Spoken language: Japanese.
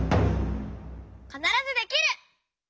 「かならずできる！」。